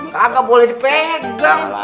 kakak boleh dipegang